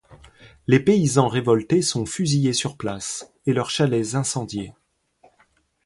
Les paysans révoltés sont fusillés sur place et leurs chalets incendiés.